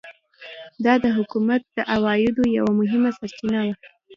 دا د حکومت د عوایدو یوه مهمه سرچینه وه.